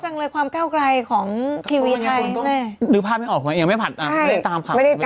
ฉันไปหน้าคอนพนม